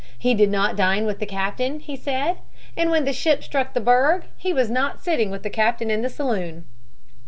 He did not dine with the captain, he said, and when the ship struck the berg, he was not sitting with the captain in the saloon.